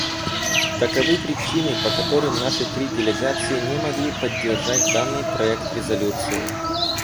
Таковы причины, по которым наши три делегации не могли поддержать данный проект резолюции.